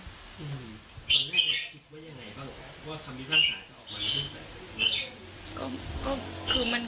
อืมตอนแรกคิดว่ายังไงบ้างว่าคำวิทยาศาสตร์จะออกมาเป็นแบบไหน